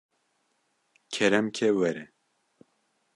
kerem ke were